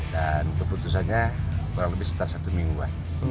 dan keputusannya kurang lebih setah satu mingguan